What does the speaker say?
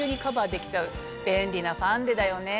便利なファンデだよね。